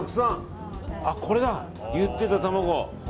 これだ、言ってた卵。